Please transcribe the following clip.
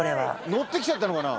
ノってきちゃったのかな？